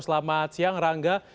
selamat siang rangga